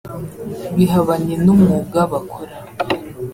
bihabanye n’umwuga bakora